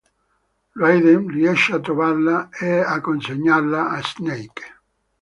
Raiden riesce a trovarla e a consegnarla a Snake.